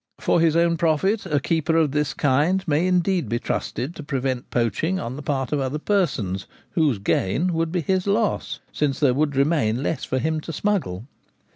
For his own profit a keeper of this kind may indeed be trusted to prevent poaching on the part of other persons, whose gains would be his loss, since there would remain less for him to smuggle.